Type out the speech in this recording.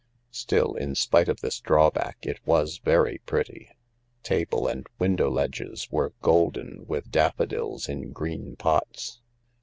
Still, in spite of this drawback, it was very pretty. Table and window ledges were golden with daffodils in green pots.